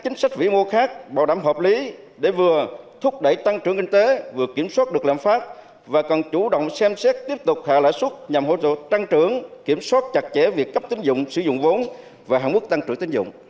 nhằm hỗ trợ tăng trưởng kiểm soát chặt chẽ việc cấp tính dụng sử dụng vốn và hạng mức tăng trưởng tính dụng